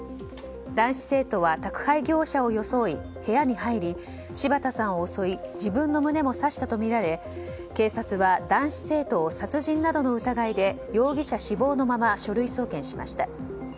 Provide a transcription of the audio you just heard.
男子生徒は宅配業者を装い部屋に入り柴田さんを襲い自分の胸も刺したとみられ警察は男子生徒を殺人などの疑いで容疑者死亡のまま書類送検しました。